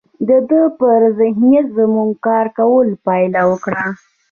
د ده پر ذهنیت زموږ کار کولو پایله ورکړه